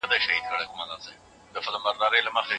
ټولنیز تعامل د همکارۍ فضا پیاوړې کوي.